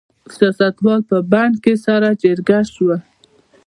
سیاستوال په بن کې سره جرګه شول.